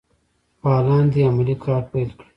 فعالان دي عملي کار پیل کړي.